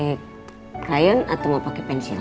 disuapin istrinya pake gengsi gitu